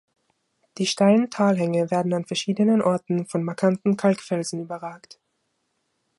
Die steilen Talhänge werden an verschiedenen Orten von markanten Kalkfelsen überragt.